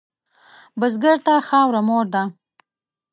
بزګر ته خاوره مور ده